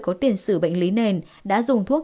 có tiền xử bệnh lý nền đã dùng thuốc